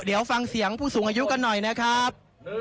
เดี๋ยวฟังเสียงผู้สูงอายุกันหน่อยนะครับ